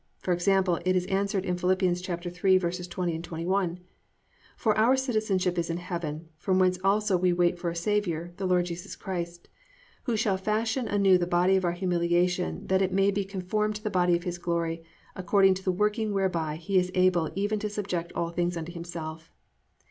For example, it is answered in Phil. 3:20, 21: +"For our citizenship is in heaven; from whence also we wait for a Saviour, the Lord Jesus Christ: Who shall fashion anew the body of our humiliation, that it may be conformed to the body of his glory, according to the working whereby he is able even to subject all things unto himself."